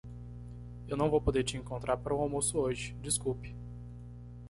Eu não vou poder te encontrar para o almoço hoje? desculpe!